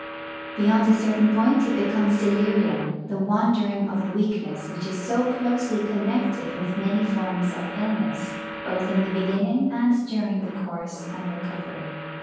Beyond a certain point it becomes delirium, the wandering of weakness which is so closely connected with many forms of illness, both in the beginning and during the course and recovery.